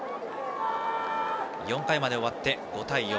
４回まで終わって５対４。